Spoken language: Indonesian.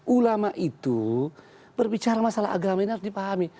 ulama itu berbicara masalah agama ini harus dipahami